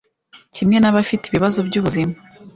kimwe n’abafite ibibazo by’ubuzima